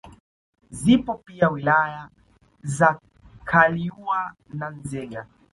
Zipo pia wilaya za Kaliua na Nzega